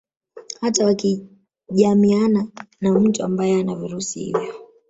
Hata wakijamiana na mtu ambaye hana virusi hivyo